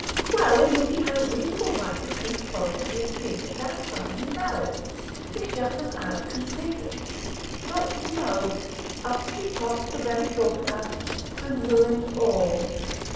well, in which he had a reasonable right to treat folk as he had treated that prying Barrett to shut them out completely.... But no: up she popped, the thought of her, and ruined all.